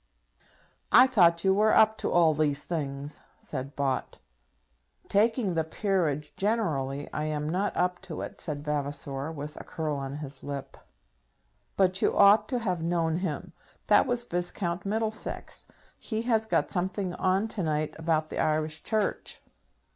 "I thought you were up to all these things?" said Bott. "Taking the peerage generally, I am not up to it," said Vavasor, with a curl on his lip. "But you ought to have known him. That was Viscount Middlesex; he has got something on to night about the Irish Church.